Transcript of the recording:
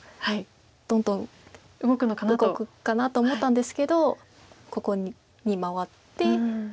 どんどん動くかなと思ったんですけどここに回って。